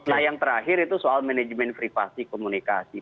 nah yang terakhir itu soal manajemen privasi komunikasi